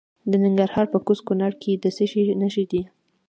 د ننګرهار په کوز کونړ کې د څه شي نښې دي؟